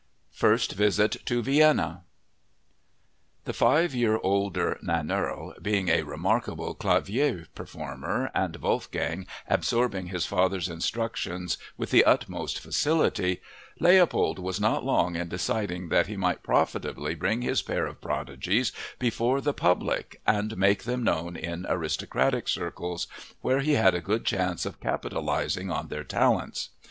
First Visit to Vienna The five year older Nannerl being a remarkable clavier performer and Wolfgang absorbing his father's instructions with the utmost facility, Leopold was not long in deciding that he might profitably bring his pair of prodigies before the public and make them known in aristocratic circles, where he had a good chance of capitalizing on their talents.